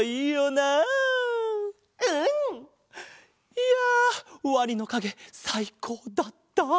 いやワニのかげさいこうだった。